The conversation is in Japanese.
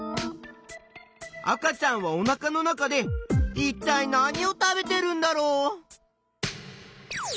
赤ちゃんはおなかの中でいったい何を食べてるんだろう？